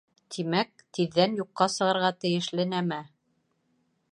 Тимәк: тиҙҙән юҡҡа сығырға тейешле нәмә.